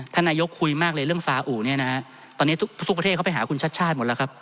นายกคุยมากเลยเรื่องซาอุเนี่ยนะฮะตอนนี้ทุกประเทศเขาไปหาคุณชัดชาติหมดแล้วครับ